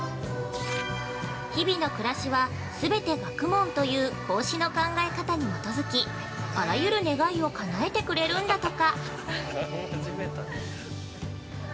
日々の暮らしは全て学問という孔子の考え方に基づきあらゆる願いを叶えてくれるんだとか。